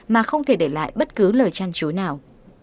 mà không thể để lại bất cứ lời chăn chối nào